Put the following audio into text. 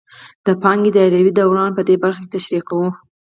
د پانګې دایروي دوران په دې برخه کې تشریح کوو